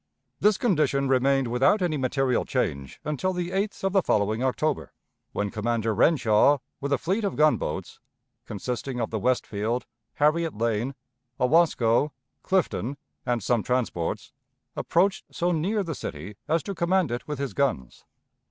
This condition remained without any material change until the 8th of the following October, when Commander Renshaw with a fleet of gunboats, consisting of the Westfield, Harriet Lane, Owasco, Clifton, and some transports, approached so near the city as to command it with his guns.